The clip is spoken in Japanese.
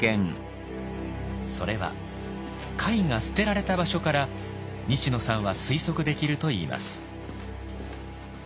それは貝が捨てられた場所から西野さんは推測できると言います。